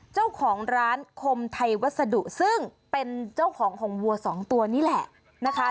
เจ้าของร้านคมไทยวัสดุซึ่งเป็นเจ้าของของวัวสองตัวนี่แหละนะคะ